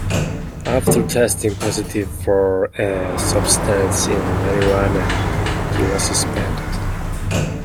After testing positive for a substance in marijuana, he was suspended.